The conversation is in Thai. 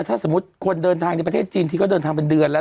ถ้าสมมุติคนเดินทางในประเทศจีนที่เขาเดินทางเป็นเดือนแล้ว